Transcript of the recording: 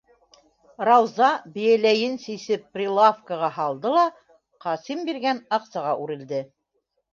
Рауза бейәләйен сисеп прилавкаға һалды ла, Ҡасим биргән аҡсаға үрелде: